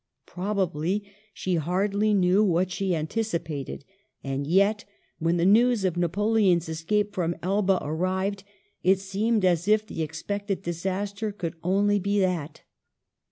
Probably she hardly knew what she anticipated ; and yet, when the news of Napoleon's escape from Elba arrived, it seemed as if the expected disaster could only be that.